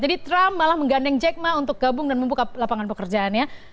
jadi trump malah menggandeng jack ma untuk gabung dan membuka lapangan pekerjaannya